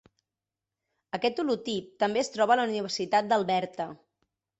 Aquest holotip també es troba a la Universitat d'Alberta.